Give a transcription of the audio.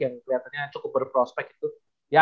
yang keliatan nya cukup berprospek gitu ya